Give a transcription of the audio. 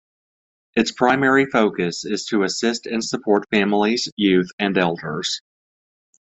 Its primary focus is to assist and support families, youth and elders.